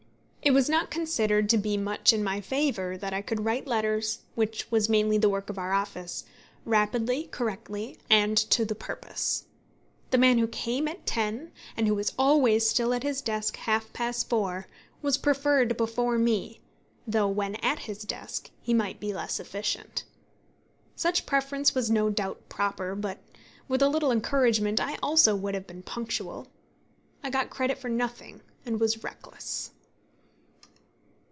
It was not considered to be much in my favour that I could write letters which was mainly the work of our office rapidly, correctly, and to the purpose. The man who came at ten, and who was always still at his desk at half past four, was preferred before me, though when at his desk he might be less efficient. Such preference was no doubt proper; but, with a little encouragement, I also would have been punctual. I got credit for nothing, and was reckless.